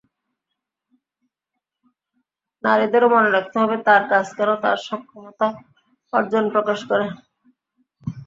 নারীদেরও মনে রাখতে হবে, তাঁর কাজ যেন তাঁর সক্ষমতা, অর্জন প্রকাশ করে।